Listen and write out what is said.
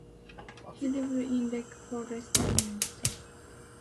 He lived in Lake Forest, Illinois with his wife, Bernadette.